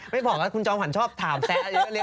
ไม่บอกก็คุณจอหวัยชอบถามแซนเรียกเลี่ยงเดี๋ยว